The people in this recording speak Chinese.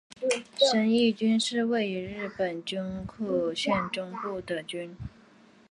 神崎郡是位于日本兵库县中部的郡。